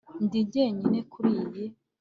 ndi jyenyine kuriyi